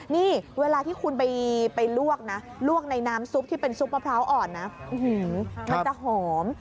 นี่เวลาที่คุณไปลวกนะลวกในน้ำซุปที่เป็นซุปมะพร้าวอ่อนนะมันจะหอม